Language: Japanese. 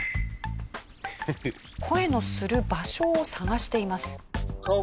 声のする場所を探しています。